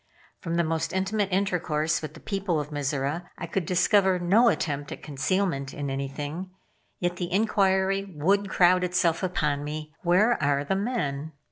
From the most intimate intercourse with the people of Mizora, I could discover no attempt at concealment in anything, yet the inquiry would crowd itself upon me. "Where are the men?"